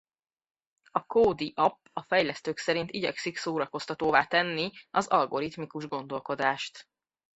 A Codie app a fejlesztők szerint igyekszik szórakoztatóvá tenni az algoritmikus gondolkodást.